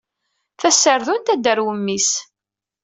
Taserdunt ad d-tarew mmi-s.